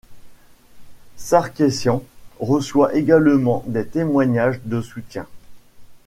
Sarkeesian reçoit également des témoignages de soutien.